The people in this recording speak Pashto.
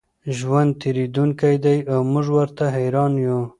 ژوند تېرېدونکی دی او موږ ورته حېران یو.